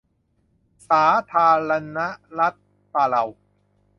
สาธารณรัฐปาเลา